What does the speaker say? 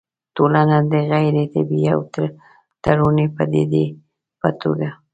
ټولنه د غيري طبيعي او تړوني پديدې په توګه